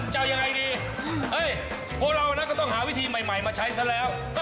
จะเอายังไงดีพวกเรานะก็ต้องหาวิธีใหม่มาใช้ซะแล้ว